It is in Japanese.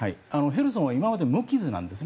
ヘルソンは今まで無傷なんです。